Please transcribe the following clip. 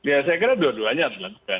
ya saya kira dua duanya